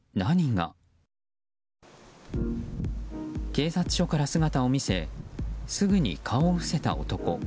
警察署から姿を見せすぐに顔を伏せた男。